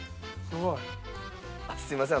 すいません